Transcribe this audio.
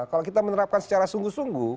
kalau kita menerapkan secara sungguh sungguh